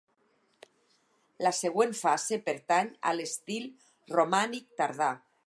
La següent fase pertany a l'estil romànic tardà.